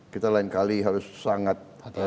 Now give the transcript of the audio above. kita lain kali harus sangat